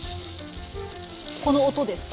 この音ですか。